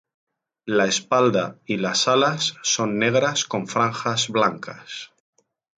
La espalda y las alas son negras con franjas blancas.